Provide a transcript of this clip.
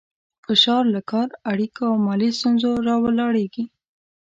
فشار له کار، اړیکو او مالي ستونزو راولاړېږي.